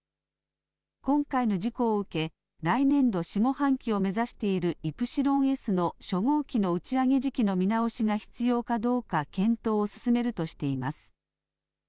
今回の事故を受け、来年度下半期を目指しているイプシロンＳの初号機の打ち上げ時期の見直しが必要かどうか検討を進めるとしています。